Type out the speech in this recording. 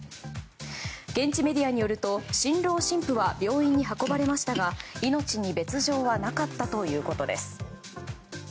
現地メディアによると新郎新婦は病院に運ばれましたが命に別条はなかったということです。